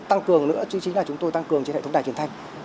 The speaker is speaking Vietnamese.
tăng cường nữa chứ chính là chúng tôi tăng cường trên hệ thống đài truyền thanh